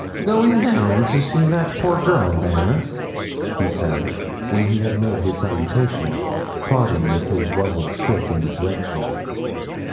'Going down to see that poor girl there?' he said, when he had made his salutation, prodding with his levelled stick in the direction.